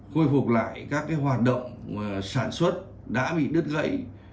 khôi phục lại các hoạt động sản xuất đã bị đứt gãy